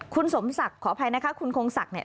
คุณสมศักดิ์ขออภัยนะคะคุณโครงศักดิ์